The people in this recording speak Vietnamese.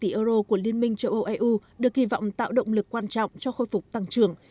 bảy trăm năm mươi tỷ euro của liên minh châu âu eu được hy vọng tạo động lực quan trọng cho khôi phục tăng trưởng